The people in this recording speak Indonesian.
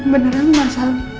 beneran mas al